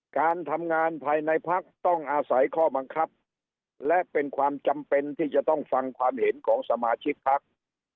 การทำงานภายในพักต้องอาศัยข้อบังคับและเป็นความจำเป็นที่จะต้องฟังความเห็นของสมาชิกพัก